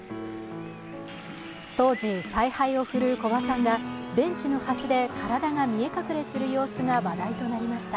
当時、采配を振るう古葉さんがベンチの端で体が見え隠れする様子が話題となりました。